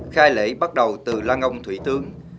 khai lễ bắt đầu từ lan ngông thủy tướng